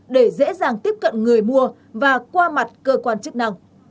để dễ dàng tiếp cận người mua và qua mặt cơ quan chức năng